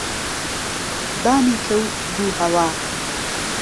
بانێکهو دوو ههوا